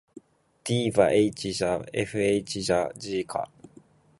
d ヴぁ h じゃ fh じゃ g か」